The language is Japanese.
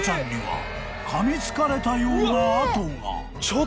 ［かみつかれたような痕が］